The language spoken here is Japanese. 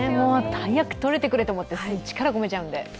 早く取れてくれと思って力、込めちゃうんで。